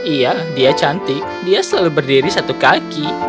iya dia cantik dia selalu berdiri satu kaki